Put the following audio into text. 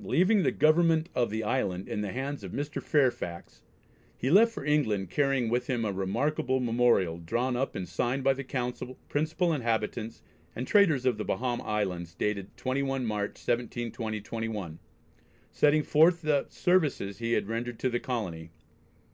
Leaving the government of the island in the hands of "Mr. Fairfax" he left for England, carrying with him a remarkable "Memorial" drawn up and signed by the Council, principal inhabitants and traders of the Bahama Islands, dated 21 March, 1720/1, setting forth the services he had rendered to the colony.